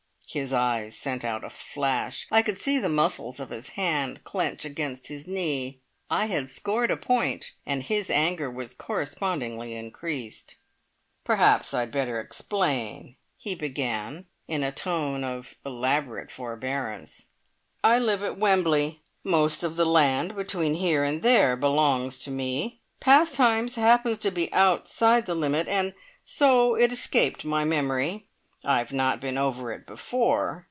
His eyes sent out a flash. I could see the muscles of his hand clench against his knee. I had scored a point, and his anger was correspondingly increased. "Perhaps I had better explain," he began in a tone of elaborate forbearance. "I live at Wembly. Most of the land between here and there belongs to me. Pastimes happens to be outside the limit, and so it escaped my memory. I have not been over it before.